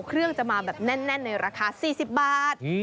เครื่องจะมาแบบแน่นในราคา๔๐บาท